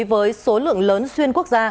với số lượng lớn xuyên quốc gia